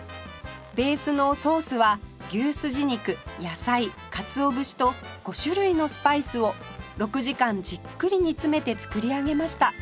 ベースのソースは牛すじ肉野菜かつお節と５種類のスパイスを６時間じっくり煮詰めて作り上げました